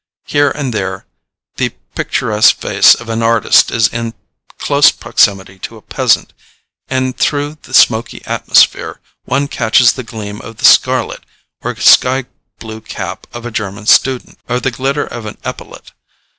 Here and there the picturesque face of an artist is in close proximity to a peasant, and through the smoky atmosphere one catches the gleam of the scarlet or sky blue cap of a German student, or the glitter of an epaulette.